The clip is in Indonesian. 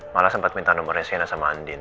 malah sempat minta nomernya sienna sama andin